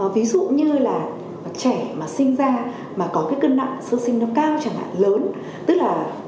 ví dụ như là trẻ mà sinh ra mà có cái cân nặng sơ sinh nó cao chẳng hạn lớn tức là